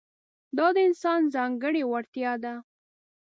دا د انسان ځانګړې وړتیا ده.